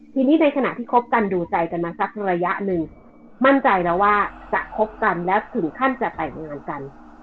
ทีนี้ในขณะที่คบกันดูใจกันมาสักระยะหนึ่งมั่นใจแล้วว่าจะคบกันและถึงขั้นจะแต่งงานกัน